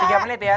tiga menit ya